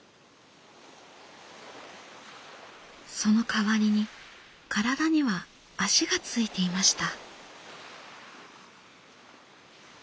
そのかわりに体には足がついていました。